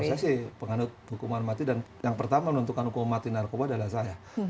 saya sih penganut hukuman mati dan yang pertama menentukan hukum mati narkoba adalah saya